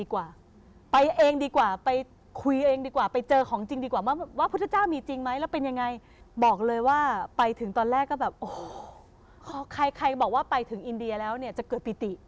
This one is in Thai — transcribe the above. ใครบอกว่าไปถึงอินเดียแล้วเนี่ยจะเกิดปิติ